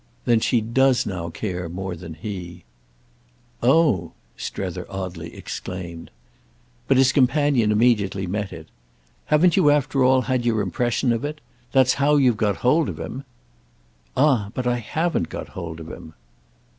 "Then she does now care more than he." "Oh!" Strether oddly exclaimed. But his companion immediately met it. "Haven't you after all had your impression of it? That's how you've got hold of him." "Ah but I haven't got hold of him!"